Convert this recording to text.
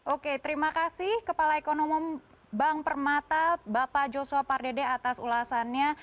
oke terima kasih kepala ekonom bank permata bapak joshua pardede atas ulasannya